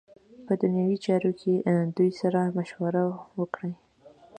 په دنیوی چارو کی ددوی سره مشوره وکړی .